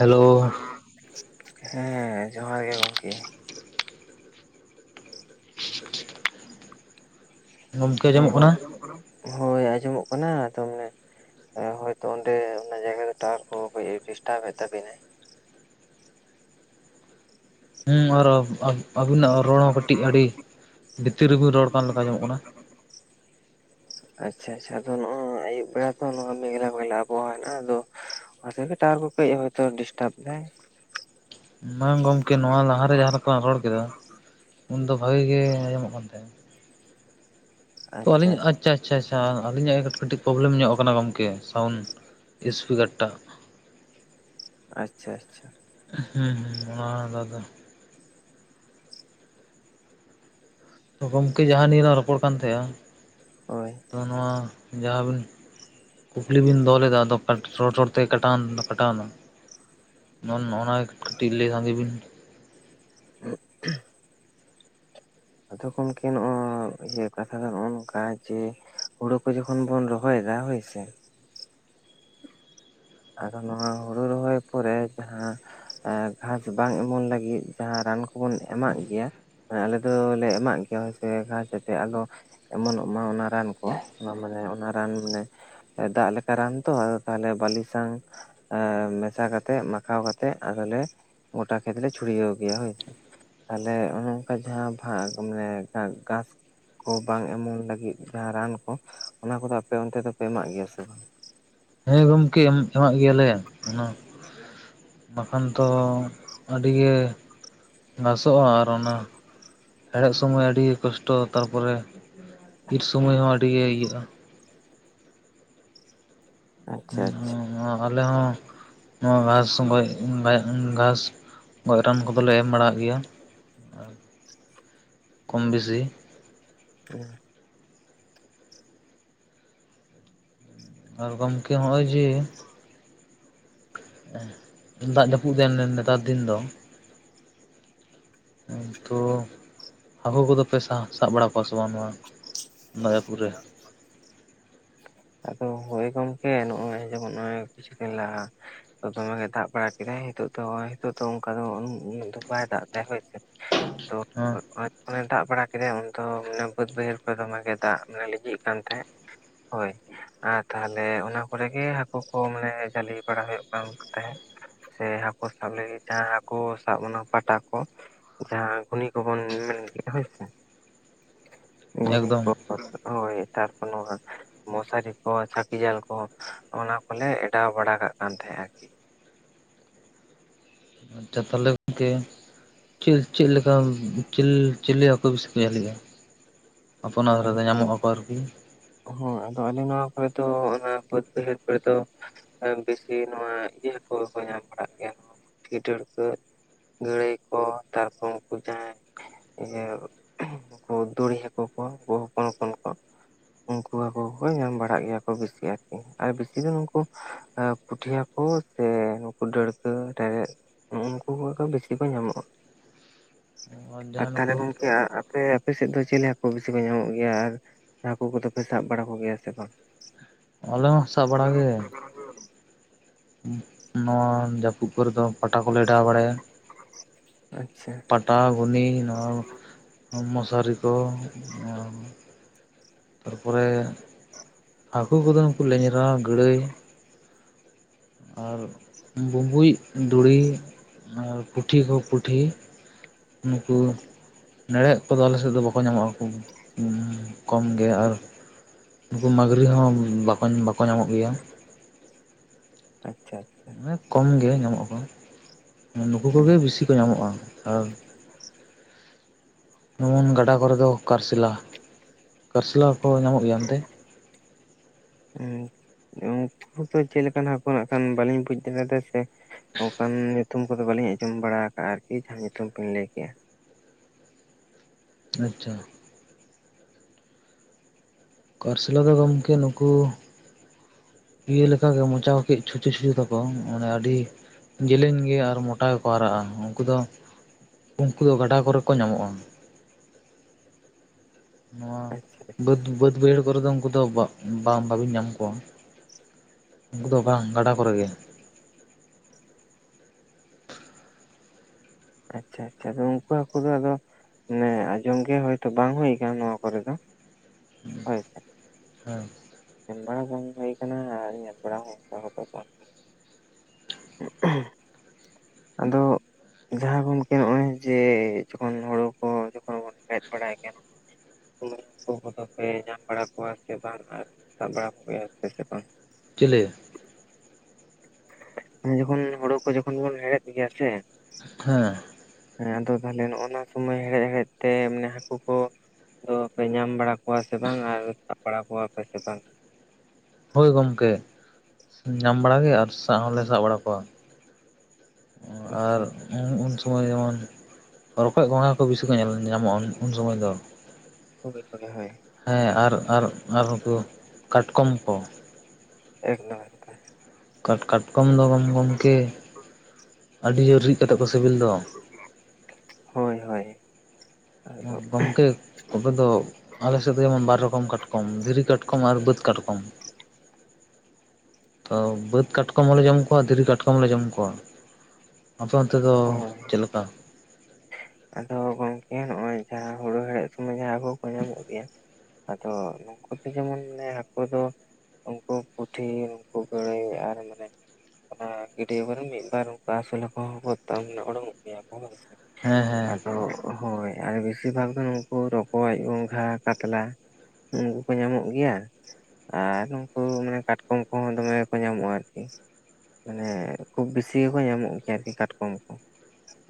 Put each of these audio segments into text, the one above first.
Hello hello, ᱦᱮᱸ ᱡᱚᱦᱟᱨ ᱜᱮ ᱜᱚᱝᱠᱮ ᱦᱮᱸ ᱜᱚᱝᱠᱮ ᱟᱸᱡᱚᱢᱚᱜ ᱠᱟᱱᱟ? ᱦᱳᱭ ᱟᱸᱡᱚᱢᱚᱜ ᱠᱟᱱᱟ ᱟᱫᱚ ᱢᱟᱱᱮ ᱦᱮᱸ ᱦᱳᱭᱛᱚ ᱚᱸᱰᱮ ᱚᱱᱟ ᱡᱟᱭᱜᱟ ᱠᱚ ᱴᱟᱣᱟᱨ ᱠᱚ ᱠᱟᱹᱡ ᱮ ᱰᱤᱥᱴᱟᱵᱮᱜ ᱛᱟᱵᱮᱱᱟᱭ᱾ ᱦᱩᱸ ᱟᱨ ᱦᱚᱸ ᱟᱵᱼᱟᱹᱵᱤᱱᱟᱜ ᱨᱚᱲ ᱦᱚᱸ ᱠᱟᱹᱴᱤᱜ ᱟᱹᱰᱤ ᱵᱷᱤᱛᱤᱨ ᱨᱮᱵᱤᱱ ᱨᱚᱲ ᱠᱟᱱ ᱞᱮᱠᱟ ᱟᱸᱡᱚᱢᱚᱜ ᱠᱟᱱᱟ᱾ [inaudible] ᱟᱪᱪᱷᱟ ᱟᱪᱪᱷᱟ ᱟᱫᱚ ᱱᱚᱜᱼᱚᱭ ᱟᱹᱭᱩᱵ ᱵᱮᱲᱟ ᱛᱚ ᱱᱚᱣᱟ ᱢᱮᱜᱷᱞᱟ ᱵᱮᱜᱷᱞᱟ ᱟᱵᱚᱣᱟᱜ ᱦᱮᱱᱟᱜᱼᱟ ᱟᱫᱚ, ᱚᱱᱟ ᱛᱮᱜᱮ ᱴᱟᱣᱟᱨ ᱠᱚ ᱠᱟᱹᱡ ᱮ ᱦᱚᱭᱛᱚ ᱰᱤᱥᱴᱟᱵ ᱫᱟᱭ᱾ ᱢᱟᱝ ᱜᱚᱝᱠᱮ ᱱᱚᱣᱟ ᱞᱟᱦᱟᱨᱮ ᱡᱟᱦᱟᱸ ᱞᱮᱠᱟᱢ ᱨᱚᱲ ᱠᱮᱫᱟ ᱩᱱ ᱫᱚ ᱵᱷᱟᱜᱤ ᱜᱮ ᱟᱸᱡᱚᱢᱚᱜ ᱠᱟᱱ ᱛᱟᱦᱮᱸᱜᱼᱟ᱾ ᱛᱚ ᱟᱹᱞᱤᱧ ᱟᱡ ᱟᱪᱪᱷᱟ ᱟᱪᱪᱷᱟ ᱟᱪᱪᱷᱟ ᱟᱹᱞᱤᱧᱟᱜᱮ ᱠᱟᱹᱴᱤᱜ ᱯᱨᱚᱵᱞᱮᱢ ᱧᱚᱜ ᱟᱠᱟᱱᱟ ᱜᱚᱢᱠᱮ ᱥᱟᱣᱩᱱᱰ ᱤᱥᱯᱤᱠᱟᱨ ᱴᱟᱜ᱾ ᱟᱪᱪᱷᱟ ᱟᱪᱪᱷᱟ᱾ ᱦᱮᱸ ᱦᱮᱸ, ᱚᱱᱟ ᱫᱟᱫᱟ ᱛᱚ ᱜᱚᱢᱠᱮ ᱡᱟᱦᱟᱸ ᱱᱤᱭᱮ ᱞᱟᱝ ᱨᱚᱯᱚᱲ ᱠᱟᱱ ᱛᱟᱦᱮᱜᱼᱟ᱾ ᱦᱳᱭ᱾ ᱛᱚ ᱱᱚᱣᱟ ᱡᱟᱦᱟᱸᱵᱤᱱ ᱠᱩᱠᱞᱤ ᱵᱤᱱ ᱫᱚᱦᱚ ᱞᱮᱫᱟ ᱟᱫᱚᱼᱼ ᱨᱚᱲ ᱨᱚᱲᱛᱮ ᱠᱟᱴᱟᱣ ᱠᱟᱴᱟᱣᱱᱟ ᱱᱚᱜ ᱱᱚᱣᱟ ᱜᱮ ᱠᱟᱹᱴᱤᱡ ᱞᱟᱹᱭ ᱥᱟᱸᱫᱷᱮ ᱵᱤᱱᱼᱼ [unintelligible] ᱛᱚ ᱛᱚᱠᱷᱚᱱ ᱠᱤ ᱱᱚᱜ ᱤᱭᱟᱹ ᱠᱟᱛᱷᱟ ᱫᱚ ᱱᱚᱜᱚ ᱱᱚᱝᱠᱟ ᱡᱮᱼᱼ ᱦᱩᱲᱳ ᱠᱚ ᱡᱚᱠᱷᱚᱱ ᱵᱚᱱ ᱨᱚᱦᱚᱭᱮᱫᱟ ᱦᱳᱭᱥᱮᱼᱼ ᱟᱫᱚ ᱱᱚᱣᱟ ᱦᱩᱲᱩ ᱨᱚᱦᱚᱭ ᱯᱚᱨᱮ ᱡᱟᱦᱟᱸᱼᱼ ᱜᱷᱟᱸᱥ ᱵᱟᱝ ᱮᱢᱚᱱ ᱞᱟᱹᱜᱤᱫ ᱡᱟᱦᱟ ᱨᱟᱱ ᱠᱚᱵᱚᱱ ᱮᱢᱟᱜ ᱜᱮᱭᱟ᱾ ᱟᱞᱮ ᱫᱚᱞᱮ ᱮᱢᱟᱜ ᱜᱮᱭᱟ ᱦᱳᱭᱥᱮ ᱜᱷᱟᱥ ᱡᱟᱛᱮ ᱟᱞᱚ ᱮᱢᱚᱱᱚᱜ ᱢᱟ ᱚᱱᱟᱼᱼ ᱨᱟᱱ ᱠᱚ ᱢᱟᱱᱮ ᱚᱱᱟ ᱨᱟᱱ ᱢᱟᱱᱮ ᱫᱟᱜ ᱞᱮᱠᱟ ᱨᱟᱱ ᱛᱚ ᱛᱟᱦᱚᱞᱮ ᱵᱟᱞᱤᱼᱼ ᱥᱟᱝ ᱮᱸ ᱢᱮᱥᱟ ᱠᱟᱛᱮᱜ ᱢᱟᱠᱷᱟᱣ ᱠᱟᱛᱮᱜ ᱟᱫᱚᱞᱮᱼᱼ ᱜᱚᱴᱟ ᱠᱷᱮᱛ ᱞᱮ ᱪᱷᱩᱲᱤᱭᱟ. ᱣ ᱜᱮᱭᱟ ᱦᱳᱭ᱾ ᱛᱟᱦᱚᱞᱮ ᱚᱱᱮ ᱚᱱᱠᱟ ᱡᱟᱦᱟ [unintelligible] ᱢᱟᱱᱮ ᱜᱷᱟᱥᱼᱼ ᱠᱚ ᱵᱟᱝ ᱮᱢᱚᱱ ᱞᱟᱹᱜᱤᱫ ᱡᱟᱦᱟᱸ ᱨᱟᱱ ᱠᱚ ᱚᱱᱟ ᱠᱚᱫᱚ ᱟᱯᱮ ᱚᱱᱛᱮ ᱫᱚᱯᱮ ᱮᱢᱟᱜ ᱜᱮᱭᱟ ᱥᱮ ᱵᱟᱝ? ᱦᱮᱸ ᱜᱚᱢᱠᱮ ᱮᱢᱟᱜ ᱜᱮᱭᱟᱞᱮ ᱚᱱᱟᱼᱼ ᱵᱟᱠᱷᱟᱱ ᱛᱚ ᱟᱹᱰᱤ ᱜᱮ ᱜᱷᱟᱥᱚᱜᱼᱟ ᱟᱨ ᱚᱱᱟᱼᱼ ᱦᱮᱲᱦᱮᱫ ᱥᱚᱢᱚᱭ ᱟᱹᱰᱤ ᱠᱚᱥᱴᱚ ᱛᱟᱨᱯᱚᱨᱮ ᱤᱨ ᱥᱳᱚᱢᱚᱭ ᱦᱚᱸ ᱟᱹᱰᱤᱜᱮ ᱤᱭᱟᱹᱜᱼᱟ᱾ ᱟᱪᱪᱷᱟ ᱦᱚᱸ ᱦᱚᱸ ᱟᱪᱪᱷᱟ ᱱᱚᱣᱟ ᱟᱞᱮ ᱦᱚᱸᱼᱼ ᱱᱚᱣᱟ ᱜᱷᱟᱥ ᱜᱚᱡ ᱜᱷᱟᱥ ᱜᱚᱡ ᱨᱟᱱ ᱠᱚᱫᱚᱞᱮ ᱮᱢ ᱵᱟᱲᱟᱜ ᱜᱮᱭᱟ᱾ ᱟᱨᱼᱼ [unintelligible] ᱠᱚᱢ ᱵᱮᱥᱤ᱾ [unintelligible] ᱟᱨ ᱜᱚᱢᱠᱮ ᱦᱚᱜᱼᱚᱭ ᱡᱮᱼᱼ ᱫᱟᱜ ᱡᱟᱹᱯᱩᱫ ᱫᱤᱱ ᱱᱮᱛᱟᱨ ᱫᱤᱱ ᱫᱚᱼᱼ ᱛᱚ ᱦᱟᱹᱠᱩ ᱠᱚᱫᱚ ᱯᱮ ᱥᱟᱵ ᱥᱟᱵ ᱵᱟᱲᱟ ᱠᱚᱣᱟ ᱥᱮ ᱵᱟᱝ ᱱᱚᱣᱟᱼᱼ ᱫᱟᱜ ᱡᱟᱯᱩᱜ ᱨᱮᱼᱼ ᱟᱫᱚ ᱦᱳᱭ ᱜᱚᱝᱠᱮ ᱱᱚᱜᱚᱭ ᱡᱮᱢᱚᱱ ᱱᱚᱜ ᱠᱤᱪᱷᱩ ᱫᱤᱱ ᱞᱟᱦᱟᱼᱼ ᱫᱚᱢᱮᱜᱮ ᱫᱟᱜ ᱵᱟᱲᱟ ᱠᱮᱫᱟᱭ ᱱᱤᱛᱚᱜ ᱫᱚ ᱱᱤᱛᱚᱜ ᱫᱚ ᱚᱱᱠᱟ ᱫᱚ ᱩᱱᱟ. ᱜ ᱫᱚ ᱵᱟᱭ ᱫᱟᱜ ᱮᱫᱟ ᱦᱳᱭᱥᱮ᱾ ᱛᱚ ᱦᱮᱸ [unintelligible] ᱚᱱᱮ ᱫᱟᱜ ᱵᱟᱲᱟ ᱠᱮᱫᱟᱭ ᱩᱱᱫᱚ ᱢᱟᱱᱮ ᱵᱟᱹᱫᱽ ᱵᱟᱹᱭᱦᱟᱹᱲ ᱠᱚ ᱨᱮ ᱫᱚᱢᱮᱜᱮ ᱫᱟᱜ ᱞᱤᱡᱤᱜ ᱠᱟᱱ ᱛᱟᱦᱮᱸᱫᱼᱼ ᱦᱳᱭ ᱟᱨ ᱛᱟᱦᱚᱞᱮ ᱚᱱᱟ ᱠᱚᱨᱮ ᱜᱮ ᱦᱟᱠᱩ ᱠᱚ ᱢᱟᱱᱮ ᱡᱟᱹᱞᱤ ᱵᱟᱲᱟ ᱦᱩᱭᱩᱜ ᱠᱟᱱ ᱛᱟᱦᱮᱸᱫ᱾ ᱥᱮ ᱦᱟᱹᱠᱩ ᱥᱟᱵ ᱞᱟᱹᱜᱤᱫ ᱡᱟᱦᱟᱸ ᱦᱟᱹᱠᱩ ᱥᱟᱵ ᱯᱟᱴᱟ ᱠᱚᱼᱼ ᱡᱟᱦᱟᱸ ᱜᱷᱩᱱᱤ ᱠᱚᱵᱚᱱ ᱢᱮᱱ ᱠᱮᱭᱟ ᱦᱳᱭᱥᱮᱼᱼ ᱜᱩᱱᱤ ᱮᱠᱫᱚᱢ ᱠᱚᱚᱨ ᱦᱳᱭ ᱛᱟᱨ [unintelligible] ᱢᱚᱥᱟᱨᱤ ᱠᱚ ᱪᱷᱟᱠᱤ ᱡᱟᱞ ᱠᱚ ᱚᱱᱟ ᱠᱚᱞᱮ ᱮᱰᱟᱣ ᱵᱟᱲᱟ ᱠᱟᱜ ᱠᱟᱱ ᱛᱟᱦᱮᱸᱱᱟ ᱟᱨᱠᱤᱼᱼ ᱟᱪᱪᱷᱟ ᱛᱟᱦᱚᱞᱮ ᱜᱚᱝᱠᱮᱼᱼ ᱪᱤᱞ ᱪᱤᱞ ᱞᱮᱠᱟ ᱪᱤᱞ ᱪᱤᱞᱮ ᱦᱟᱠᱚ ᱵᱤᱥᱤ ᱠᱚ ᱡᱷᱟᱞᱤᱜᱟ? ᱟᱯᱮ ᱚᱱᱟ ᱫᱷᱟᱨᱮ ᱫᱚ ᱧᱟᱢᱚᱜ ᱟᱠᱚ ᱟᱨᱠᱤ [unintelligible] ᱦᱳᱭ ᱟᱫᱚ ᱟᱞᱮ ᱱᱚᱣᱟ ᱠᱚᱨᱮ ᱫᱚ ᱚᱱᱟ ᱵᱟᱹᱫᱽ ᱵᱟᱹᱭᱦᱟᱹᱲ ᱠᱚᱨᱮ ᱫᱚᱼᱼ ᱵᱮᱥᱤ ᱱᱚᱣᱟ ᱤᱭᱟᱹ ᱦᱟᱠᱩ ᱠᱚ ᱧᱟᱢ ᱵᱟᱲᱟᱜ ᱜᱮᱭᱟ ᱱᱚᱣᱟ ᱯᱩᱴᱷᱤ ᱰᱟᱹᱲᱠᱟᱹᱼᱼ ᱜᱟᱹᱲᱟᱹᱭ ᱠᱚ ᱛᱟᱨᱯᱚᱨ ᱱᱩᱠᱩ ᱡᱟᱦᱟᱸᱭᱼᱼ ᱤᱭᱟᱹ ᱩᱱᱠᱩ ᱫᱩᱲᱤ ᱦᱟᱠᱩ ᱠᱚ ᱦᱚᱯᱚᱱ ᱦᱚᱯᱚᱱ ᱠᱚ ᱩᱱᱠᱩᱼᱼ ᱦᱟᱠᱳ ᱠᱚ ᱧᱟᱢ ᱵᱟᱲᱟᱜ ᱜᱮᱭᱟ ᱠᱚ ᱵᱤᱥᱤ ᱟᱨᱠᱤ ᱟᱨ ᱵᱤᱥᱤ ᱫᱚ ᱱᱩᱠᱩ ᱯᱩᱴᱷᱤ ᱦᱟᱠᱩᱼᱼ ᱠᱚ ᱥᱮ, ᱱᱩᱠᱩ ᱰᱟᱹᱲᱠᱟᱹ ᱨᱮᱨᱮᱡ ᱱᱩᱠᱩ ᱠᱚ ᱜᱮ ᱵᱮᱥᱤ ᱠᱚ ᱧᱟᱢᱚᱜᱼᱟ᱾ ᱟᱨ ᱡᱟᱦᱟᱸ ᱛᱟᱦᱚᱞᱮ ᱱᱩᱠᱩ ᱜᱚᱝᱠᱮ ᱟᱯᱮ, ᱟᱯᱮ ᱥᱮᱫ ᱫᱚ ᱪᱮᱞᱮ ᱦᱟᱠ ᱦᱟᱹᱠᱩ ᱵᱤᱥᱤ ᱠᱚ ᱧᱟᱢᱚᱜ ᱜᱮᱭᱟ, ᱟᱨ ᱦᱟᱹᱠᱩ ᱠᱚᱫᱚ ᱯᱮ ᱥᱟᱵ ᱵᱟᱲᱟ ᱠᱚᱜᱮᱭᱟ ᱥᱮ ᱵᱟᱝ? ᱟᱞᱮ ᱢᱟ ᱥᱟᱵ ᱵᱟᱲᱟ ᱜᱮ, [unintelligible] ᱱᱚᱣᱟ ᱡᱟᱹᱯᱩᱫ ᱠᱚᱨᱮᱫ ᱫᱚ ᱯᱟᱴᱟ ᱠᱚᱞᱮ ᱚᱰᱟᱣ ᱵᱟᱲᱟᱭᱟ᱾ ᱟᱪᱪᱷᱟ, ᱯᱟᱴᱟ, ᱜᱷᱩᱱᱤ, ᱱᱚᱣᱟ ᱢᱚᱥᱟᱨᱤ ᱠᱚ, ᱛᱟᱨᱯᱚᱨᱮ ᱦᱟᱹᱠᱩ ᱠᱚᱫᱚ ᱱᱩᱠᱩ, ᱞᱮᱸᱡᱨᱟ, ᱜᱟᱹᱲᱟᱹᱭ ᱟᱨ ᱵᱩᱸᱵᱩᱡ ᱫᱩᱲᱤ ᱟᱨ ᱯᱩᱴᱷᱤ ᱠᱚ ᱯᱩᱴᱷᱤ ᱱᱩᱠᱩ, ᱱᱮᱲᱦᱮᱫ ᱠᱚᱫᱚ ᱟᱞᱮᱥᱮᱫ ᱫᱚ ᱵᱟᱠᱚ ᱧᱟᱢᱚᱜᱼᱟ, ᱩᱱᱠᱩ ᱠᱚᱢ ᱜᱮ ᱟᱨ ᱩᱱᱠᱩ ᱢᱟᱹᱜᱽᱨᱤ ᱦᱚᱸ ᱵᱟᱠᱚ, ᱵᱟᱠᱚ ᱧᱟᱢᱚᱜ ᱜᱮᱭᱟ᱾ ᱟᱪᱪᱷᱟ, ᱟᱪᱪᱷᱟ ᱢᱟᱱᱮ ᱠᱚᱢ ᱜᱮ ᱧᱟᱢᱚᱜ ᱠᱚ, ᱱᱩᱠᱩ ᱠᱚᱜᱮ ᱵᱤᱥᱤ ᱠᱚ ᱧᱟᱢᱚᱜᱼᱟ, ᱟᱨ ᱡᱮᱢᱚᱱ ᱜᱟᱰᱟ ᱠᱚᱨᱮ ᱫᱚ, ᱠᱟᱹᱨᱥᱤᱞᱟ, ᱠᱟᱹᱨᱥᱮᱞᱟ ᱠᱚ ᱧᱟᱢᱚᱜ ᱜᱮᱭᱟ ᱚᱱᱛᱮ? ᱩᱱᱠᱩ ᱫᱚ ᱪᱮᱫᱞᱮᱠᱟᱱ ᱦᱟᱹᱠᱩ ᱮᱱᱠᱷᱟᱱ ᱵᱟᱞᱤᱧ ᱵᱩᱡ ᱫᱟᱲᱮᱭᱟᱫᱟ ᱥᱮ, ᱚᱱᱠᱟᱱ ᱧᱩᱛᱩᱢ ᱠᱚᱫᱚ ᱵᱟᱹᱞᱤᱧ ᱟᱸᱡᱚᱢ ᱵᱟᱲᱟ ᱟᱠᱟᱟᱜᱼᱟ, ᱟᱨᱠᱤ ᱡᱟᱦᱟᱸ ᱧᱩᱛᱩᱢ ᱠᱤᱱ ᱞᱟᱹᱭᱠᱮᱜᱼᱟ, ᱟᱪᱪᱷᱟ, ᱠᱟᱨᱥᱤᱞᱟ ᱫᱚ ᱜᱚᱝᱠᱮ ᱱᱩᱠᱩ ᱤᱭᱟᱹ ᱞᱮᱠᱟᱜᱮ, ᱢᱚᱪᱟ ᱠᱚ ᱠᱟᱹᱪ ᱪᱷᱩᱪᱟᱹ ᱪᱷᱩᱪᱟᱹ ᱛᱟᱠᱚ, ᱢᱟᱱᱮ ᱟᱹᱰᱤ ᱡᱮᱞᱮᱧ ᱜᱮ ᱟᱨ ᱢᱚᱴᱟ ᱜᱮᱠᱚ ᱦᱟᱨᱟᱜᱼᱟ, ᱩᱝᱠᱩ ᱫᱚ ᱩᱝᱠᱩ ᱫᱚ ᱜᱟᱰᱟ ᱠᱚᱨᱮ ᱠᱚ ᱧᱟᱢᱚᱜᱼᱟ᱾ ᱱᱚᱣᱟ ᱟᱪᱪᱷᱟ ᱟᱪᱪᱷᱟ ᱵᱟᱹᱫᱽ, ᱵᱟᱹᱫ ᱵᱟᱹᱭᱦᱟᱹᱲ ᱠᱚᱨᱮ ᱫᱚ ᱩᱱᱠᱩ ᱫᱚ ᱵᱟᱝ ᱵᱟᱹᱵᱤᱱ ᱧᱟᱢ ᱠᱚᱣᱟ᱾ ᱩᱱᱠᱩ ᱫᱚ ᱵᱟᱝ ᱜᱟᱰᱟ ᱠᱚᱨᱮ ᱜᱮ, ᱟᱪᱪᱷᱟ ᱟᱪᱪᱷᱟ, ᱟᱫᱚ ᱩᱱᱠᱩ ᱦᱟᱹᱠᱩ ᱫᱚ ᱟᱫᱚ, ᱢᱟᱱᱮ ᱟᱸᱡᱚᱢ ᱜᱮ ᱦᱩᱭᱛᱚ ᱵᱟᱝ ᱦᱩᱭ ᱟᱠᱟᱱᱟ ᱱᱚᱣᱟ ᱠᱚᱨᱮ ᱫᱚ᱾ ᱦᱳᱭ ᱥᱮ, ᱦᱮᱸ ᱮᱢ ᱵᱟᱲᱟ ᱵᱟᱝ ᱦᱩᱭ ᱟᱠᱟᱱᱟ, ᱟᱨ ᱧᱮᱞ ᱵᱟᱲᱟ ᱦᱚᱸ ᱚᱱᱠᱟ ᱦᱚᱸᱛᱚ ᱵᱟᱝ᱾ ᱦᱩᱭ ᱟᱠᱟᱱᱟ᱾ [unintelligible] ᱟᱫᱚ ᱡᱟᱦᱟᱸ ᱜᱚᱝᱠᱮ ᱚᱭ ᱡᱮ ᱡᱚᱠᱷᱚᱱ ᱦᱩᱲᱩ ᱠᱚ ᱡᱚᱠᱷᱚᱱ ᱵᱚᱱ ᱦᱮᱡ ᱵᱟᱲᱟᱭ ᱜᱮᱭᱟᱢ [unintelligible] ᱠᱚᱫᱚ ᱯᱮ ᱧᱟᱢ ᱵᱟᱲᱟ ᱠᱚᱣᱟ ᱥᱮ ᱵᱟᱝ, ᱟᱨ ᱥᱟᱵ ᱵᱟᱲᱟ ᱠᱚᱜᱮᱭᱟ ᱥᱮ ᱥᱮ ᱵᱟᱝ ᱪᱮᱞᱮ? ᱩᱱ ᱡᱚᱠᱷᱚᱱ ᱦᱳᱲᱳ ᱠᱚ ᱡᱚᱠᱷᱚᱱ ᱵᱚᱱ ᱦᱮᱲᱦᱮᱫ ᱜᱮᱭᱟ ᱥᱮ, ᱦᱮᱸ ᱮᱸ ᱟᱫᱚ ᱛᱟᱦᱞᱮ ᱱᱚᱜᱼ ᱱᱚᱣᱟ ᱥᱚᱢᱚᱭ ᱦᱮᱲᱦᱮᱫ ᱦᱮᱲᱦᱮᱫ ᱛᱮ, ᱢᱟᱱᱮ ᱦᱟᱹᱠᱩ ᱠᱚ ᱟᱫᱚ ᱯᱮ ᱧᱟᱢ ᱵᱟᱲᱟ ᱠᱚᱣᱟ ᱥᱮ ᱵᱟᱝ? ᱟᱨ ᱥᱟᱵ ᱵᱟᱲᱟ ᱠᱚᱣᱟ ᱯᱮ ᱥᱮ ᱵᱟᱝ? ᱦᱳᱭ ᱜᱚᱝᱠᱮ, ᱧᱟᱢ ᱵᱟᱲᱟ ᱜᱮ ᱟᱨ ᱥᱟᱵ ᱦᱚᱸᱞᱮ ᱥᱟᱵ ᱵᱟᱲᱟ ᱠᱚᱣᱟ᱾ ᱟᱨ ᱟᱪᱪᱷᱟ ᱩᱱ ᱥᱚᱢᱚᱭ ᱡᱮᱢᱚᱱ ᱨᱚᱠᱚᱡ ᱜᱚᱸᱜᱟ ᱠᱚ ᱵᱤᱥᱤ ᱠᱚ ᱧᱮᱞ ᱧᱟᱢᱚᱜᱼᱟ, ᱩᱱ ᱥᱚᱢᱚᱭ ᱫᱚ, ᱠᱚ [unintelligible] ᱦᱚᱭ ᱦᱮᱸ ᱟᱨ, ᱟᱨ, ᱟᱨ ᱩᱱᱠᱩ ᱠᱟᱴᱠᱚᱢ ᱠᱚ, ᱮᱠ ᱱᱟᱯ ᱠᱟᱴ ᱠᱟᱴᱠᱚᱢ ᱫᱚ ᱜᱚᱢ ᱜᱚᱢᱠᱮ, ᱟᱹᱰᱤ ᱡᱳᱨ ᱨᱤᱫ ᱠᱟᱛᱮ ᱠᱚ ᱥᱤᱵᱤᱞ ᱫᱚ᱾ ᱦᱳᱭ, ᱦᱳᱭ ᱟᱫᱚ [inaudible] ᱜᱚᱢᱠᱮ, ᱛᱚᱵᱮ ᱫᱚ, ᱟᱞᱮ ᱥᱮᱫ ᱫᱚᱭᱟ ᱵᱟᱨ ᱨᱚᱠᱚᱢ ᱠᱟᱴᱠᱚᱢ, ᱫᱷᱤᱨᱤ ᱠᱟᱴᱠᱚᱢ ᱟᱨ ᱵᱟᱹᱫᱽ ᱠᱟᱴᱠᱚᱢ, [inaudible] ᱛᱚ ᱵᱟᱹᱫᱽ ᱠᱟᱴᱠᱚᱢ ᱦᱚᱸᱞᱮ ᱡᱚᱢ ᱠᱚᱣᱟ, ᱫᱷᱤᱨᱤ ᱠᱟᱴᱠᱚᱢ ᱞᱮ ᱡᱚᱢ ᱠᱚᱣᱟ᱾ ᱟᱯᱮ ᱚᱱᱛᱮ ᱫᱚ ᱦᱳᱭ ᱪᱮᱫ ᱞᱮᱠᱟ? ᱟᱫᱚ ᱜᱚᱝᱠᱮ ᱱᱚᱭ ᱡᱟᱦᱟᱸ ᱦᱩᱲᱩ ᱦᱮᱲᱦᱮᱫ ᱥᱚᱢᱚᱭ ᱡᱟᱦᱟᱸ ᱦᱟᱹᱠᱩ ᱠᱚ ᱧᱟᱢᱚᱜ ᱜᱮᱭᱟ, ᱟᱫᱚ ᱱᱩᱠᱩ ᱫᱚ ᱡᱮᱢᱚᱱᱚᱱᱮ ᱦᱟᱹᱠᱩ ᱫᱚ ᱩᱱᱠᱩ ᱯᱩᱴᱷᱤ ᱱᱩᱠᱩ ᱜᱟᱬᱟᱹᱭ ᱟᱨ ᱢᱟᱱᱮ ᱚᱱᱟ ᱜᱤᱰᱭᱟᱹᱵᱚᱨ ᱢᱤᱫᱵᱟᱨ ᱚᱱᱠᱟ ᱥᱩᱞᱠᱚ ᱛᱟᱢᱟᱱᱮ ᱩᱰᱩᱠᱚᱜ ᱜᱮᱭᱟ ᱠᱚ ᱛᱮ, ᱦᱮᱸ ᱦᱮᱸ ᱟᱫᱚ ᱦᱳᱭ ᱟᱨ ᱵᱮᱥᱤᱨ ᱵᱷᱟᱜᱽ ᱫᱚ ᱱᱩᱠᱩ ᱨᱚᱠᱚᱡ ᱜᱚᱸᱜᱷᱟ ᱠᱟᱛᱞᱟ, ᱩᱱᱠᱩ ᱠᱚ ᱧᱟᱢᱚᱜ ᱜᱮᱭᱟ᱾ ᱟᱨ ᱩᱱᱠᱩ ᱢᱟᱱᱮ ᱠᱟᱴᱠᱚᱢ ᱠᱚᱦᱚᱸ ᱫᱚᱢᱮ ᱜᱮ ᱠᱚ ᱧᱟᱢᱚᱜ-ᱟ ᱟᱨᱠᱤ, ᱢᱟᱱᱮ ᱠᱷᱩᱵ ᱵᱮᱥᱤ ᱜᱮᱠᱚ ᱧᱟᱢᱚᱜ ᱜᱮᱭᱟ ᱟᱨᱠᱤ ᱠᱟᱴᱠᱚᱢ ᱠᱚ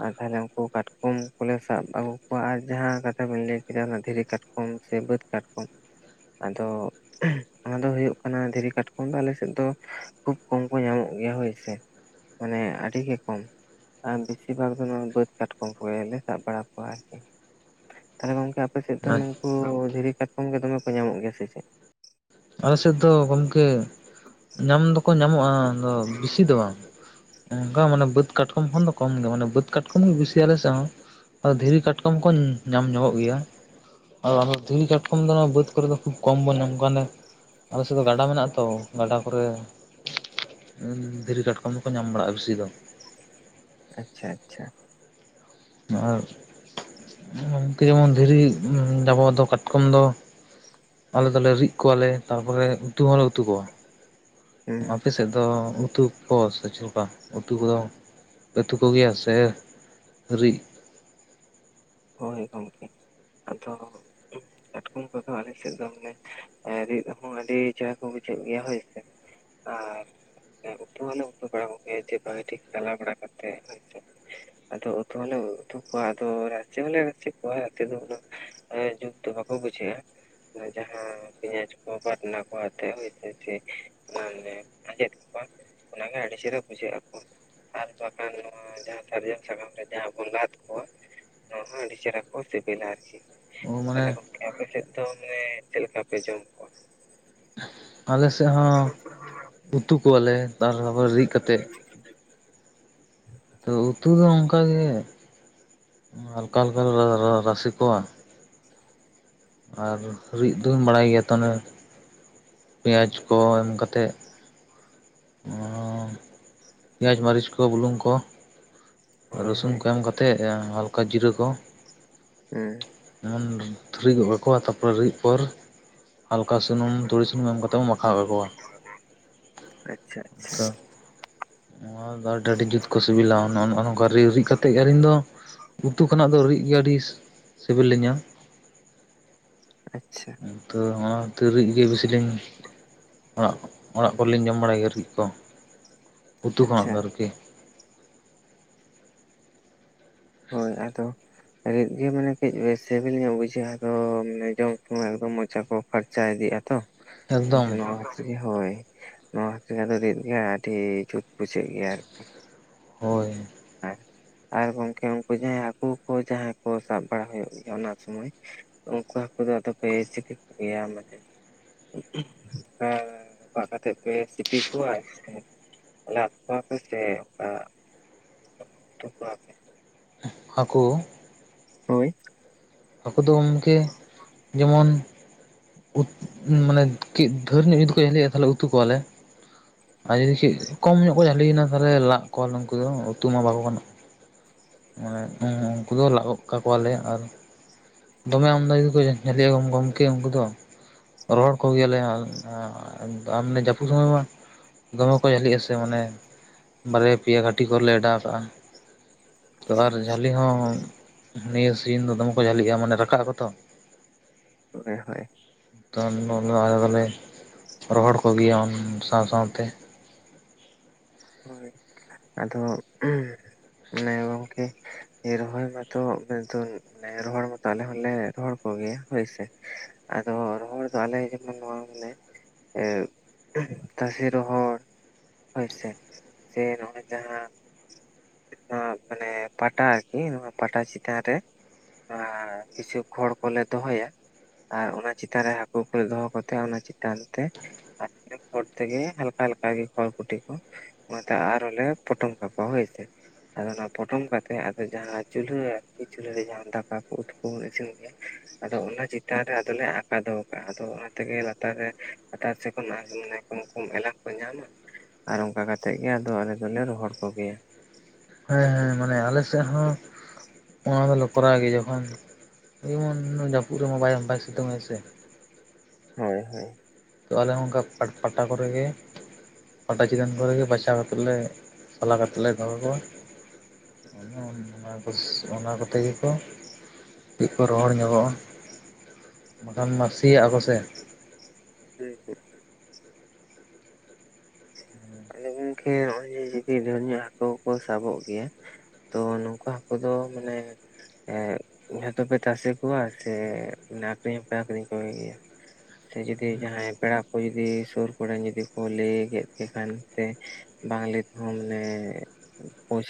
ᱟᱨ ᱛᱟᱦᱚᱞᱮ ᱩᱱᱠᱩ ᱠᱟᱴᱠᱚᱢ, ᱠᱚᱞᱮ ᱥᱟᱵ ᱟᱹᱜᱩ ᱠᱚᱣᱟ ᱟᱨ ᱡᱟᱦᱟᱸ ᱠᱟᱛᱷᱟ ᱵᱮᱱ ᱞᱟᱹᱭ ᱠᱮᱫᱟ ᱚᱱᱟ ᱫᱷᱤᱨᱤ ᱠᱟᱴᱠᱚᱢ, ᱥᱮ ᱵᱟᱹᱫᱽ ᱠᱟᱴᱠᱚᱢ, ᱟᱫᱚ ᱚᱱᱟ ᱫᱚ ᱦᱩᱭᱩᱜ ᱠᱟᱱᱟ ᱫᱷᱤᱨᱤ ᱠᱟᱴᱠᱚᱢ ᱫᱚ ᱟᱞᱮᱥᱮᱫ ᱫᱚ ᱠᱷᱩᱵ ᱠᱚᱢ ᱠᱚ ᱧᱟᱢᱚᱜ ᱜᱮᱭᱟ ᱦᱳᱭ ᱥᱮ᱾ ᱢᱟᱱᱮ ᱟᱹᱰᱤ ᱜᱮ ᱠᱚᱢ, ᱟᱨ ᱵᱮᱥᱤᱨ ᱵᱷᱟᱜᱽ ᱫᱚ ᱱᱚᱣᱟ ᱵᱟᱹᱫᱽ ᱠᱟᱴ ᱠᱚᱢ ᱞᱮ ᱥᱟᱵ ᱵᱟᱲᱟ ᱠᱚᱣᱟ ᱟᱨᱠᱤ ᱛᱟᱦᱚᱞᱮ, ᱜᱚᱝᱠᱮ ᱟᱯᱮ ᱥᱮᱫ ᱫᱚ ᱱᱚᱝ ᱠᱩ ᱫᱷᱤᱨᱤ ᱠᱟᱴᱠᱚᱢ ᱜᱮ ᱫᱚᱢᱮ ᱠᱚ ᱧᱟᱢᱚᱜ ᱜᱮᱭᱟ ᱥᱮ ᱪᱮᱫ᱾ ᱟᱞᱮ ᱥᱮᱫ ᱫᱚ ᱜᱚᱢᱠᱮ, ᱧᱟᱢ ᱫᱚᱠᱚ ᱧᱟᱢᱚᱜ-ᱟ ᱵᱮᱥᱤ ᱫᱚ ᱵᱟᱝ, ᱚᱱᱠᱟ ᱢᱟᱱᱮ ᱵᱟᱹᱫᱽ ᱠᱟᱴᱠᱚᱢ ᱠᱷᱚᱱ ᱫᱚ ᱠᱚᱢ ᱜᱮᱭᱟ ᱢᱟᱱᱮ ᱵᱟᱹᱫᱽ ᱠᱟᱴᱠᱚᱢ ᱜᱮ ᱵᱤᱥᱤᱭ ᱟᱞᱮ ᱥᱮ ᱦᱚᱸ, ᱟᱫᱚ ᱫᱷᱤᱨᱤ ᱠᱟᱴᱠᱚᱢ ᱠᱚᱧ ᱧᱟᱢ ᱧᱚᱜᱚᱜ ᱜᱮᱭᱟ, ᱚ ᱫᱷᱤᱨᱤ ᱠᱟᱴᱠᱚᱢ ᱫᱚ ᱵᱟᱹᱫ ᱠᱚᱨᱮ ᱠᱷᱩᱵ ᱠᱚᱢ ᱵᱟᱹᱱᱩᱜ-ᱟ᱾ ᱟᱞᱮ ᱥᱮᱫ ᱫᱚ ᱜᱟᱰᱟ ᱢᱮᱱᱟᱜᱼᱟ ᱛᱚ, ᱜᱟᱰᱟ ᱠᱚᱨᱮ᱾ [unintelligible] ᱫᱷᱤᱨᱤ ᱠᱟᱴᱠᱚᱢ ᱫᱚᱠᱚ ᱧᱟᱢ ᱵᱟᱲᱟᱜ-ᱟ ᱵᱮᱥᱤ ᱫᱚ᱾ ᱟᱪᱪᱷᱟ ᱟᱪᱪᱷᱟ, ᱟᱨ ᱡᱮᱢᱚᱱ [unintelligible] ᱫᱷᱤᱨᱤ ᱰᱟᱵᱚᱜ ᱫᱚ ᱠᱟᱴᱠᱚᱢ ᱫᱚ, ᱟᱞᱮ ᱫᱚᱞᱮ ᱨᱤᱫ ᱠᱚᱣᱟᱞᱮ, ᱛᱟᱯᱚᱨᱮ ᱩᱛᱩ ᱦᱚᱸᱞᱮ ᱩᱛᱩ ᱠᱚᱣᱟ᱾ ᱦᱩᱸ ᱟᱯᱮ ᱥᱮᱫ ᱫᱚ ᱩᱛᱩ ᱠᱚ ᱥᱮ ᱪᱮᱫᱠᱟ, ᱩᱛᱩ ᱠᱚᱫᱚ ᱩᱛᱩ ᱠᱚᱜᱮᱭᱟ ᱥᱮ, ᱨᱤᱫ ᱦᱳᱭ ᱜᱚᱢᱠᱮ, [unintelligible] ᱟᱫᱚ ᱠᱟᱴᱠᱚᱢ ᱠᱚᱫᱚ ᱟᱞᱮᱥᱮᱫ ᱫᱚ ᱢᱟᱱᱮ, ᱨᱤᱫ ᱦᱚᱸ ᱟᱹᱰᱤ ᱪᱮᱨᱦᱨᱟ ᱠᱚ ᱵᱩᱡᱷᱟᱹᱜ ᱜᱮᱭᱟ ᱦᱳᱭᱥᱮ᱾ ᱟᱨ, ᱩᱛᱩ ᱦᱚᱸᱞᱮ ᱩᱛᱩ ᱵᱟᱲᱟ ᱠᱚᱜᱮᱭᱟ ᱡᱮ ᱵᱷᱟᱹᱜᱤ ᱴᱷᱤᱠ ᱪᱟᱞᱟᱣ ᱵᱟᱲᱟ ᱠᱟᱛᱮᱫ ᱦᱳᱭ ᱥᱮ, ᱟᱫᱚ ᱩᱛᱩ ᱦᱚᱸᱞᱮ ᱩᱛᱩ ᱠᱚᱣᱟ ᱟᱫᱚ, ᱵᱚᱞᱮ ᱪᱮᱫ ᱠᱚᱣᱟᱛᱮᱫ ᱫᱚ ᱩᱱᱟᱹᱜ ᱡᱩᱛ ᱫᱚ ᱵᱟᱠᱚ ᱵᱩᱡᱷᱟᱹᱜ-ᱟ᱾ ᱡᱟᱦᱟᱸ ᱯᱮᱸᱭᱟᱡᱽ ᱠᱚ ᱵᱟᱴᱱᱟ ᱠᱚ ᱟᱛᱮᱫ ᱦᱚᱭ ᱥᱮ, ᱚᱱᱟᱱᱮ ᱟᱸᱡᱮᱫ ᱠᱚᱣᱟ ᱚᱱᱟᱜᱮ ᱟᱹᱰᱤ ᱪᱮᱦᱨᱟ ᱵᱩᱡᱷᱟᱹᱜ ᱟᱠᱚ᱾ ᱟᱨ ᱵᱟᱠᱷᱟᱱ ᱱᱚᱣᱟ ᱡᱟᱦᱟᱸ ᱥᱟᱨᱡᱚᱢ ᱥᱟᱠᱟᱢ ᱨᱮ ᱡᱟᱦᱟᱸ ᱵᱚᱱ ᱞᱟᱫ ᱠᱚᱣᱟ, ᱱᱚᱣᱟ ᱦᱚᱸ ᱟᱹᱰᱤ ᱪᱮᱦᱨᱟ ᱠᱚ ᱥᱤᱵᱤᱞᱟ ᱟᱨᱠᱤ, ᱚ ᱢᱟᱱᱮ ᱟᱯᱮᱥᱮᱫ ᱫᱚ ᱢᱟᱱᱮ ᱪᱮᱫ ᱞᱮᱠᱟ ᱯᱮ ᱡᱚᱢ ᱠᱚᱣᱟ? ᱟᱞᱮᱥᱮᱫ ᱦᱚᱸ, ᱩᱛᱩ ᱠᱚᱣᱟᱞᱮ ᱟᱨᱦᱚ [inaudible] ᱛᱚ ᱩᱛᱩ ᱫᱚ ᱚᱱᱠᱟ ᱜᱮ, ᱦᱟᱞᱠᱟᱞᱠᱟᱞ [unintelligible] ᱨᱟᱥᱤ ᱠᱚᱣᱟ, ᱟᱨ ᱦᱩᱭᱩᱜ ᱫᱚᱢ ᱵᱟᱲᱟᱭ ᱜᱮᱭᱟ ᱛᱚ ᱚᱱᱟ? ᱯᱮᱸᱭᱟᱡᱽ ᱠᱚ ᱮᱢ ᱠᱟᱛᱮᱫ᱾ ᱚᱻ ᱯᱮᱸᱭᱟᱡᱽ ᱢᱟᱹᱨᱤᱪ ᱠᱚ, ᱵᱩᱞᱩᱝ ᱠᱚ ᱦᱳᱭ ᱨᱟᱹᱥᱩᱱ ᱦᱳᱭ ᱠᱚ ᱮᱢ ᱠᱟᱛᱮᱜ ᱮᱸ ᱦᱟᱞᱠᱟ ᱡᱤᱨᱟᱹ ᱠᱚ᱾ ᱩᱸ᱾ ᱚᱱᱟᱢ ᱫᱷᱩᱨᱟᱹᱣ ᱜᱚᱫ ᱠᱟᱠᱚᱣᱟ ᱛᱟᱨᱯᱚᱨᱮ ᱨᱤᱫ ᱯᱚᱨ ᱦᱟᱞᱠᱟ ᱥᱩᱱᱩᱢ, ᱛᱩᱲᱤ ᱥᱩᱱᱩᱢ ᱮᱢ ᱠᱟᱛᱮᱫ ᱵᱚᱱ ᱢᱟᱠᱷᱟᱣ ᱠᱟᱠᱚᱣᱟ᱾ ᱟᱪᱪᱷᱟ ᱟᱪᱪᱷᱟ᱾ ᱛᱚ ᱱᱚᱣᱟ ᱫᱚ ᱟᱹᱰᱤ ᱟᱹᱰᱤ ᱡᱩᱛ ᱠᱚ ᱥᱤᱵᱤᱞᱟ [unintelligible] ᱚᱠᱟᱨᱮ ᱨᱤᱫ ᱠᱟᱛᱮᱫ ᱜᱮ ᱟᱹᱞᱤᱧ ᱫᱚ, ᱩᱛᱩ ᱠᱷᱚᱱᱟᱜ ᱫᱚ ᱨᱤᱫ ᱜᱮ ᱟᱹᱰᱤ ᱥᱤᱵᱤᱞ ᱞᱤᱧᱟᱹ᱾ ᱟᱪᱪᱷᱟ᱾ ᱛᱚ, ᱚᱱᱟᱛᱮ ᱨᱤᱫ ᱜᱮ ᱵᱤᱥᱤ ᱞᱤᱧ ᱚᱲᱟᱜ, ᱚᱲᱟᱜ ᱠᱚᱨᱮᱞᱤᱧ ᱡᱚᱢ ᱵᱟᱲᱟᱭ ᱜᱮᱭᱟ ᱨᱤᱫ ᱠᱚ, ᱩᱛᱩ ᱠᱷᱚᱱᱟᱜ ᱟᱪᱪᱷᱟ ᱫᱚ ᱟᱨᱠᱤ᱾ ᱦᱳᱭ, ᱟᱫᱚ ᱨᱤᱫ ᱜᱮ ᱢᱟᱱᱮ ᱠᱟᱺᱡ ᱥᱤᱵᱤᱞ ᱧᱚᱜ ᱵᱩᱡᱷᱟᱹᱜ ᱟᱫᱚ ᱢᱟᱱᱮ ᱡᱚᱢ ᱛᱮᱢᱟ ᱮᱠᱫᱚᱢ ᱢᱚᱡᱟ ᱠᱚ ᱯᱷᱟᱨᱪ ᱪᱟ ᱜᱮ ᱟᱫᱚ ᱮᱠᱫᱚᱢ ᱵᱩᱡᱷᱟᱹᱣᱟ᱾ [unintelligible] ᱦᱳᱭ, ᱱᱚᱣᱟ ᱠᱷᱟᱛᱤᱨ ᱟᱫᱚ ᱨᱤᱫ ᱜᱮ ᱟᱹᱰᱤ ᱡᱩᱛ ᱵᱩᱡᱷᱟᱹᱜ ᱜᱮᱭᱟ ᱟᱨᱠᱤ᱾ ᱦᱳᱭ᱾ ᱟᱨ, ᱟᱨ ᱜᱚᱝᱠᱮ ᱩᱝᱠᱩ ᱡᱟᱦᱟᱸᱭ ᱦᱟᱹᱠᱩ ᱠᱚ ᱡᱟᱦᱟᱸᱭ ᱠᱚ ᱥᱟᱵ ᱵᱟᱲᱟ ᱦᱩᱭᱩᱜ ᱜᱮᱭᱟ ᱚᱱᱟ ᱥᱚᱢᱚᱭ᱾ ᱩᱝᱠᱩ ᱦᱟᱹᱠᱩ ᱫᱚ ᱟᱫᱚ ᱯᱮ ᱪᱤᱠᱟᱹ ᱠᱚᱜᱮᱭᱟ ᱢᱟᱱᱮ? ᱱᱚᱝᱠᱟ ᱨᱟᱯᱟᱜ ᱠᱟᱛᱮᱫ ᱯᱮ ᱥᱤᱯᱤ ᱠᱚᱣᱟ ᱥᱮ? ᱞᱟᱫ ᱠᱚᱣᱟ ᱯᱮ ᱥᱮ ᱚᱝᱠᱟ ᱥᱮ ᱩᱛᱩ ᱠᱚᱣᱟ ᱯᱮ? ᱦᱟᱹᱠᱩ? ᱦᱳᱭ᱾ ᱦᱟᱠᱩ ᱫᱚ ᱜᱚᱢᱠᱮ ᱡᱮᱢᱚᱱ [unintelligible] ᱢᱟᱱᱮ ᱠᱟᱺᱡ ᱫᱷᱟᱹᱨ ᱧᱚᱜ ᱡᱩᱫᱤ ᱠᱚ ᱦᱩᱭᱩᱜ-ᱟ, ᱛᱟᱦᱞᱮ ᱩᱛᱩ ᱠᱚᱣᱟᱞᱮ᱾ ᱟᱨ ᱡᱩᱫᱤ ᱠᱟᱺᱡ ᱠᱚᱢ ᱧᱚᱜ ᱠᱚ ᱡᱟᱹᱞᱤᱭᱮᱱᱟ ᱛᱟᱞᱦᱮ ᱞᱟᱫ ᱠᱚᱣᱟᱞᱮ ᱩᱱᱠᱩ ᱫᱚ, ᱩᱛᱩ ᱢᱟ ᱵᱟᱠᱚ ᱜᱟᱱᱚᱜ᱾ ᱢᱟᱱᱮ, ᱦᱮᱸ ᱩᱱᱝᱠᱩ ᱫᱚ ᱞᱟᱜ ᱜᱚᱫ ᱠᱟᱠᱚᱣᱟᱞᱮ ᱟᱨ ᱫᱚᱢᱮ ᱟᱢᱫᱟ ᱜᱮᱠᱚ ᱡᱷᱟᱞᱤᱜ-ᱟ ᱜᱚᱢᱠᱮ ᱩᱝᱠᱩ ᱫᱚ᱾ ᱨᱚᱦᱚᱲ ᱠᱚᱜᱮᱭᱟᱞᱮ ᱟᱻ ᱟᱨ ᱢᱟᱱᱮ ᱡᱟᱹᱯᱩᱫ ᱥᱚᱢᱚᱭ ᱢᱟ ᱫᱚᱢᱮ ᱠᱚ ᱡᱷᱟᱹᱞᱤᱜ-ᱟ ᱥᱮ ᱢᱟᱱᱮ ᱵᱟᱨᱭᱟ ᱯᱮᱭᱟ ᱜᱷᱟᱹᱴᱤ ᱠᱚᱨᱮᱞᱮ ᱟᱰᱟᱣ ᱠᱟᱜ-ᱟ᱾ ᱛᱚ ᱟᱪᱪᱷᱟ ᱟᱨ ᱟᱪᱪᱷᱟ ᱡᱷᱟᱹᱞᱤ ᱦᱚᱸ ᱱᱤᱭᱟᱹ ᱥᱤᱡᱤᱱ ᱫᱚ ᱫᱚᱢᱮ ᱠᱚ ᱡᱷᱟᱹᱞᱤᱜᱼᱟ। ᱢᱟᱱᱮ ᱨᱟᱠᱟᱵ ᱟᱠᱚ ᱛᱚ? ᱦᱳᱭ ᱦᱳᱭ᱾ ᱛᱚ [unintelligible] ᱟᱞᱮ ᱫᱚᱞᱮ ᱨᱚᱦᱚᱲ ᱠᱚᱜᱮᱭᱟ ᱩᱱ ᱥᱟᱶ ᱥᱟᱶᱛᱮ᱾ ᱦᱳᱭ। ᱟᱫᱚ ᱢᱚᱱᱮ ᱜᱚᱝᱠᱮ ᱼᱼ ᱨᱚᱦᱚᱭ ᱢᱟᱛᱚ [unintelligible] ᱨᱚᱦᱚᱲ ᱢᱟᱛᱚ ᱟᱞᱮ ᱦᱚᱸᱞᱮ ᱨᱚᱦᱚᱲ ᱠᱚᱜᱮᱭᱟ। ᱦᱳᱭ ᱥᱮ? ᱟᱫᱚ ᱨᱚᱲ ᱫᱚ ᱟᱞᱮ ᱡᱮᱢᱚᱱ ᱱᱚᱣᱟ ᱢᱟᱱᱮ ᱮ ᱛᱟᱥᱮ ᱨᱚᱦᱚᱲ, ᱦᱳᱭ ᱥᱮ? ᱥᱮ ᱱᱚᱜᱼᱚᱭ ᱡᱟᱦᱟᱸ, ᱱᱚᱣᱟ ᱢᱟᱱᱮ ᱯᱟᱴᱟ ᱟᱨᱠᱤ ᱱᱚᱣᱟ ᱯᱟᱴᱟ ᱪᱮᱛᱟᱱ ᱨᱮ ᱾ ᱮᱸ ᱦᱤᱥᱟᱹᱵᱽ ᱠᱷᱚᱲ ᱠᱚᱞᱮ ᱫᱚᱦᱚᱭᱟ ᱾ ᱟᱨ ᱚᱱᱟ ᱪᱮᱛᱟᱱ ᱨᱮ ᱦᱟᱹᱠᱩ ᱠᱚ ᱫᱚᱦᱚ ᱠᱟᱛᱮ, ᱚᱱᱟ ᱪᱮᱛᱟᱱ ᱛᱮ ᱼᱼ [unintelligible] ᱛᱮᱜᱮ ᱦᱟᱞᱠᱟ ᱦᱟᱞᱠᱟ ᱜᱮ ᱠᱷᱚᱭ ᱠᱩᱴᱷᱤ ᱠᱚ ᱚᱱᱟ ᱛᱮ ᱟᱨᱚ ᱞᱮ ᱯᱚᱴᱚᱢ ᱠᱟᱠᱚᱣᱟ ᱦᱳᱭ ᱥᱮ ᱾ ᱟᱫᱚ ᱚᱱᱟ ᱯᱚᱴᱚᱢ ᱠᱟᱛᱮᱫ, ᱟᱫᱚ ᱡᱟᱦᱟᱸ ᱪᱩᱞᱦᱟᱹ ᱟᱨᱠᱤ᱾ ᱪᱩᱞᱦᱟᱹ ᱨᱮ ᱫᱟᱠᱟ ᱠᱚ ᱩᱛᱩ ᱠᱚᱵᱚᱱ ᱤᱥᱤᱱ ᱜᱮᱭᱟ। ᱟᱫᱚ ᱚᱱᱟ ᱪᱮᱛᱟᱱ ᱨᱮ ᱟᱫᱚᱞᱮ ᱟᱠᱟ ᱫᱚᱦᱚ ᱠᱟᱜᱼᱟ ᱟᱫᱚ ᱚᱱᱟᱛᱮᱜᱮ ᱞᱟᱛᱟᱨ ᱨᱮ ᱞᱟᱛᱟᱨ ᱥᱮᱫ ᱩᱱᱟ ᱜᱮ ᱢᱟᱱᱮ ᱠᱚᱢ ᱠᱚᱢ ᱮᱞᱟᱝ ᱠᱚ ᱧᱟᱢᱟ ᱟᱨ ᱚᱝᱠᱟ ᱠᱟᱛᱮᱫ ᱜᱮ ᱟᱫᱚ ᱟᱞᱮ ᱫᱚᱞᱮ ᱨᱚᱦᱚᱲ ᱠᱚᱜᱮᱭᱟ᱾ ᱦᱮᱸ ᱦᱮᱸ। ᱢᱟᱱᱮ ᱟᱞᱮ ᱥᱮᱫ ᱦᱚᱸ ᱼᱼ [inaudible] ᱚᱱᱟ ᱫᱚᱞᱚ ᱠᱚᱨᱟᱣ ᱜᱮ ᱡᱚᱠᱷᱚᱱ ᱡᱮᱢᱚᱱ ᱱᱩᱭ ᱡᱟᱹᱯᱩᱫ ᱨᱮᱢᱟ ᱵᱟᱭ ᱟᱢᱫᱟ ᱥᱤᱛᱩᱝ ᱟᱭ ᱥᱮ ᱾ ᱦᱳᱭ ᱦᱳᱭ ᱾ ᱛᱚ ᱟᱞᱮ ᱚᱱᱠᱟ ᱯᱟᱴ ᱯᱟᱴᱟ ᱠᱚᱨᱮ ᱜᱮ ᱯᱟᱴᱟ ᱪᱮᱛᱟᱱ ᱠᱚᱨᱮᱜᱮ ᱵᱟᱪᱷᱟ ᱠᱟᱛᱮᱫ ᱞᱮ ᱥᱟᱞᱟ ᱠᱟᱛᱮ ᱞᱮ ᱫᱚᱦᱚ ᱠᱚᱣᱟ। ᱚᱱᱟ [inaudible] ᱚᱱᱟ ᱠᱚᱛᱮ ᱜᱮᱠᱚ ᱠᱟᱹᱡ ᱠᱚ ᱨᱚᱦᱚᱲ ᱧᱚᱜᱚᱜᱼᱟ। ᱵᱟᱠᱷᱟᱱ ᱢᱟ ᱥᱮᱭᱟᱜ ᱟᱠᱚ ᱥᱮ? ᱦᱮᱸ ᱦᱮᱸ᱾ ᱟᱫᱚ ᱜᱚᱝᱠᱮ ᱱᱚᱜᱼᱚᱭ ᱡᱮ ᱡᱩᱫᱤ ᱰᱷᱮᱨ ᱧᱚᱜ ᱦᱟᱹᱠᱩ ᱠᱚ ᱥᱟᱵᱚᱜ ᱜᱮᱭᱟ ᱛᱚ ᱱᱚᱝᱠᱟ ᱦᱟᱠᱳ ᱫᱚ ᱢᱟᱱᱮ, ᱮᱸᱜ ᱡᱚᱛᱚ ᱯᱮ ᱛᱟᱥᱮ ᱠᱚᱣᱟ ᱥᱮ ᱟᱠᱷᱨᱤᱧ ᱦᱚᱸᱯᱮ ᱟᱠᱷᱨᱤᱧ ᱠᱚᱜᱮ ᱜᱮᱭᱟ? ᱥᱮ ᱡᱩᱫᱤ ᱡᱟᱦᱟᱸᱭ ᱯᱮᱲᱟ ᱠᱚ ᱡᱩᱫᱤ ᱥᱩᱨ ᱠᱚᱨᱮ ᱡᱩᱫᱤ ᱠᱚ ᱞᱟᱹᱭ ᱠᱮᱫ ᱮᱠᱷᱟᱱ ᱛᱮ ᱵᱟᱝ ᱞᱟᱹᱭ ᱛᱮᱦᱚᱸ ᱢᱟᱱᱮ ᱯᱚᱭᱥᱟ ᱼᱼ